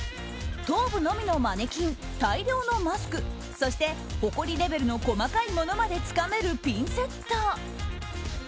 頭部のみのマネキン大量のマスクそして、ほこりレベルの細かいものまでつかめるピンセット。